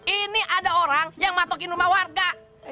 ini ada orang yang matokin rumah warga